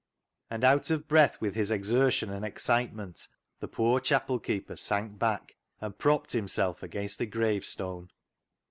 And, out of breath with his exertion and excitement, the poor chapel keeper sank back and propped himself against a gravestone.